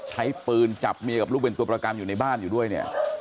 ใช้ปืนจับเมียกับลูกเป็นตัวประกันอยู่ในบ้านอยู่ด้วยเนี่ย